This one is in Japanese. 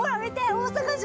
大阪城！